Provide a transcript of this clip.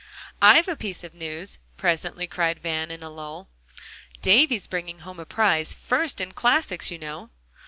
"I've a piece of news," presently cried Van in a lull. "Davie's bringing home a prize; first in classics, you know."